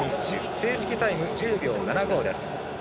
正式タイム、１０秒７５です。